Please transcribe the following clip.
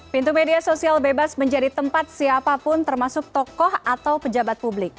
pintu media sosial bebas menjadi tempat siapapun termasuk tokoh atau pejabat publik